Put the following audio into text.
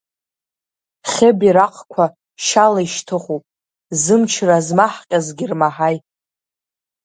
Хьы-бираҟқәа шьала ишьҭыхуп, зымчра змаҳҟьазгьы ирмаҳаи.